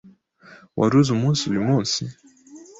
Waba uzi umunsi uyumunsi?